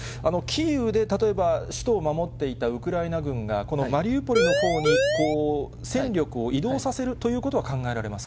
キーウで例えば首都を守っていたウクライナ軍が、このマリウポリのほうに戦力を移動させるということは考えられま